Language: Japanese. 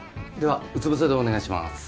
ではうつぶせでお願いします。